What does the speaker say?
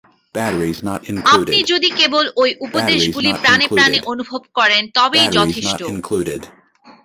আপনি যদি কেবল ঐ উপদেশগুলি প্রাণে প্রাণে অনুভব করেন, তবেই যথেষ্ট।